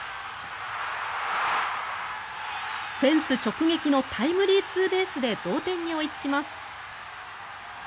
フェンス直撃のタイムリーツーベースで同点に追いつきます。